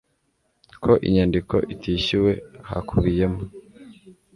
ko inyandiko itishyuwe hakubiyemo